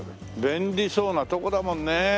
便利そうなとこだもんね。